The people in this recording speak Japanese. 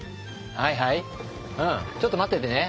はいはいちょっと待っててね。